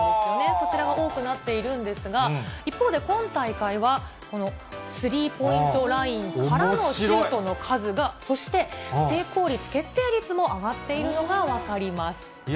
そちらが多くなっているんですが、一方で今大会は、このスリーポイントラインからのシュートの数が、そして、成功率、決定率も上がっているのが分かります。